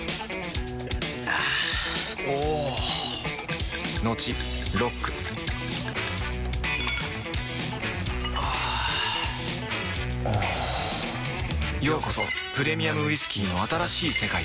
あぁおぉトクトクあぁおぉようこそプレミアムウイスキーの新しい世界へ